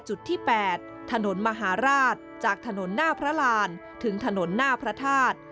จุดที่๘ถนนมหาราชจากถนนหน้าพระรานถึงถนนหน้าพระธาตุ